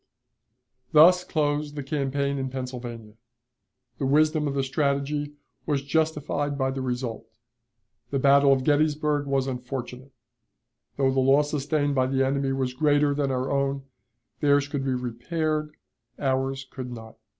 Thus closed the campaign in Pennsylvania. The wisdom of the strategy was justified by the result. The battle of Gettysburg was unfortunate. Though the loss sustained by the enemy was greater than our own, theirs could be repaired, ours could not.